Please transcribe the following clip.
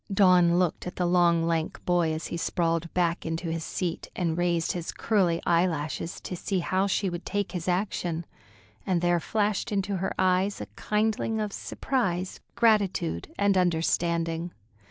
Dawn looked at the long, lank boy as he sprawled back into his seat and raised his curly eyelashes, to see how she would take his action, and there flashed into her eyes a kindling of surprise, gratitude, and understanding.